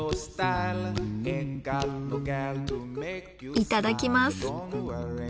いただきます。